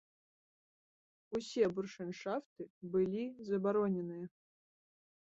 Усе буршэншафты былі забароненыя.